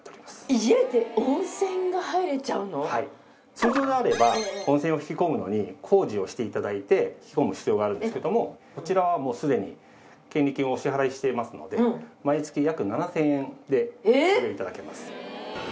通常であれば温泉を引き込むのに工事をして頂いて引き込む必要があるんですけどもこちらはもうすでに権利金をお支払いしていますので毎月約７０００円でご利用頂けます。